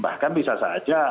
bahkan bisa saja